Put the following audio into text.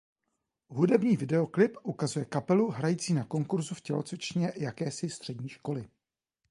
Hudební videoklip ukazuje kapelu hrající na konkurzu v tělocvičně jakési střední školy.